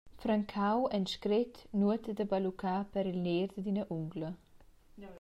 Francau, en scret, nuota da balluccar per il ner dad ina ungla.